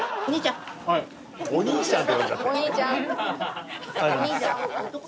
「お兄ちゃん」